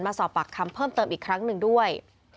สอบปากคำเพิ่มเติมอีกครั้งหนึ่งด้วย